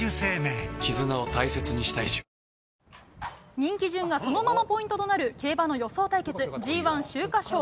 人気順がそのままポイントとなる競馬の予想対決、Ｇ１秋華賞。